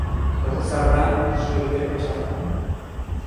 Egur zaharra, su egiteko txarra.